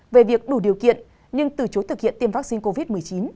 về việc đủ điều kiện nhưng từ chối thực hiện tiêm vaccine covid một mươi chín